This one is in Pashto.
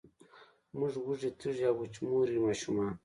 موږ وږې، تږې او، وچموري ماشومان